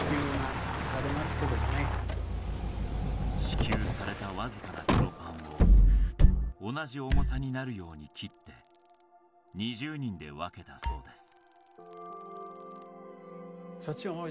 支給されたわずかな黒パンを同じ重さになるように切って２０人で分けたそうです